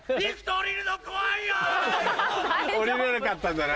降りれなかったんだな。